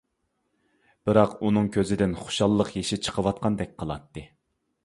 بىراق ئۇنىڭ كۆزىدىن خۇشاللىق يېشى چىقىۋاتقاندەك قىلاتتى.